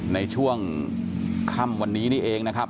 ในช่วงค่ำวันนี้นี่เองนะครับ